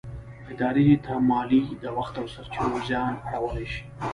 ادارې ته مالي، د وخت او سرچينو زیان اړولی شي.